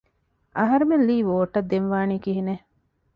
އަހަރެމެން ލީ ވޯޓަށް ދެން ވާނީ ކިހިނެއް؟